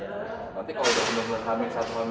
nanti kalau udah bener bener hamil